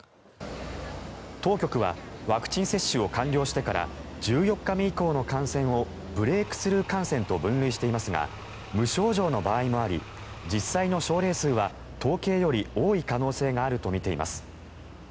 当局はワクチン接種を完了してから１４日目以降の感染をブレークスルー感染と分類していますが無症状の場合もあり実際の症例数は統計より多い可能性があるとみています。